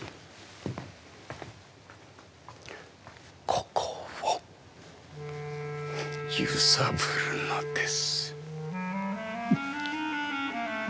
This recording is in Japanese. ここを揺さぶるのです。